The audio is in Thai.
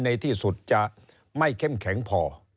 ในที่สุดจะไม่เข้มแข็งพอ